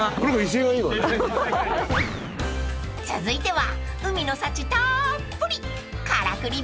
［続いては］